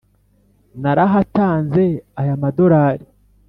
narahatanze ay' amadolari